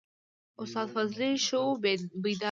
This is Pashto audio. استاد فضلي ښه وو بیداره و.